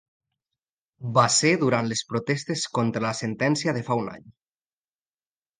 Va ser durant les protestes contra la sentència de fa un any.